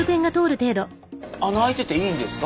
穴開いてていいんですか？